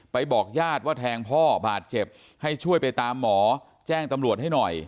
บอกญาติว่าแทงพ่อบาดเจ็บให้ช่วยไปตามหมอแจ้งตำรวจให้หน่อย